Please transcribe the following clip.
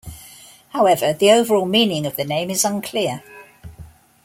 However, the overall meaning of the name is unclear.